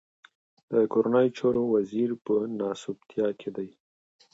د کورنيو چارو وزير په ناسوبتيا کې دی.